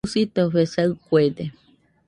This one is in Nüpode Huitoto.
Jusitofe saɨkuede.